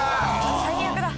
最悪だ。